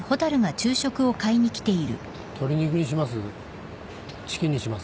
鶏肉にします？